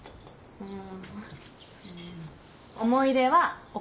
うん？